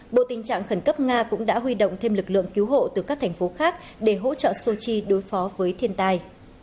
bộ tình trạng khẩn cấp nga cũng đã huy động thêm lực lượng cứu hộ từ các thành phố khác để hỗ trợ sochi đối phó với thiên tai